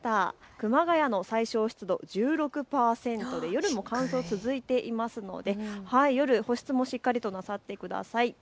熊谷の最小湿度１６％で夜も乾燥が続いていますので夜、保湿もしっかりとなさってください。